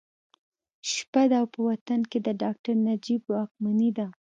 شپه ده او په وطن کې د ډاکټر نجیب واکمني ده